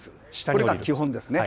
それが基本です。